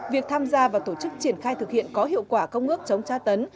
việc tham gia và tổ chức triển khai thực hiện có hiệu quả công ước chống tra tấn